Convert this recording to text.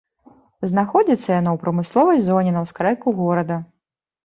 Знаходзіцца яно ў прамысловай зоне на ўскрайку горада.